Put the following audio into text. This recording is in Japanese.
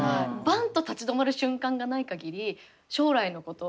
バンッと立ち止まる瞬間がない限り将来のこと